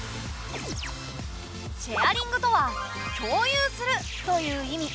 シェアリングとは「共有する」という意味。